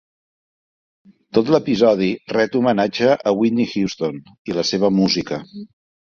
Tot l'episodi ret homenatge a Whitney Houston i la seva música.